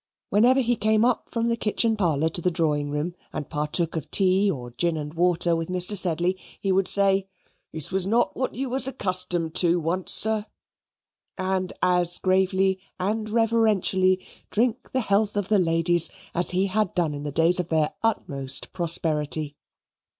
Whenever he came up from the kitchen parlour to the drawing room and partook of tea or gin and water with Mr. Sedley, he would say, "This was not what you was accustomed to once, sir," and as gravely and reverentially drink the health of the ladies as he had done in the days of their utmost prosperity.